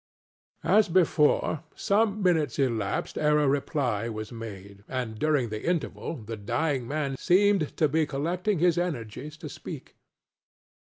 ŌĆØ As before, some minutes elapsed ere a reply was made; and during the interval the dying man seemed to be collecting his energies to speak.